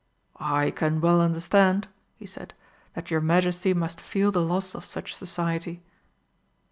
"I can well understand," he said, "that your Majesty must feel the loss of such society."